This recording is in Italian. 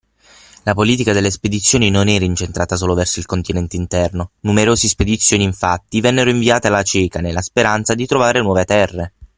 La politica delle spedizioni non era incentrata solo verso il continente interno: numerose spedizioni, infatti, vennero inviate alla cieca, nella speranza di trovare nuove terre.